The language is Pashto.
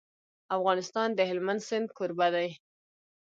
افغانستان د هلمند سیند کوربه دی.